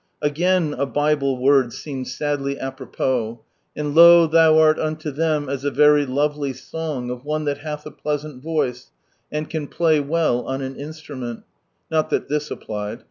Again a Bible word seemed sadly a prvpos, "And lo thou art unio them as a very lovely song of one that hath a pleasant voice, and can play well on an instrument : (not that thii applied